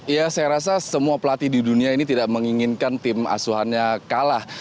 ya saya rasa semua pelatih di dunia ini tidak menginginkan tim asuhannya kalah